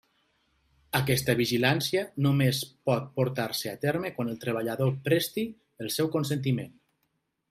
Aquesta vigilància només pot portar-se a terme quan el treballador presti el seu consentiment.